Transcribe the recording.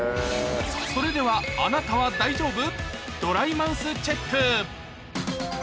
それではあなたは大丈夫？